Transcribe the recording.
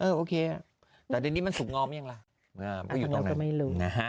เออโอเคแต่เวียร์นี้มันสูงออมยังล่ะฮ่าก็อยู่ตรงนั้นไม่รู้